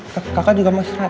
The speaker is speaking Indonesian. kakak juga mau istirahat